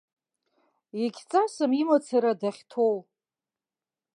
Егьҵасым имацара дахьҭоу.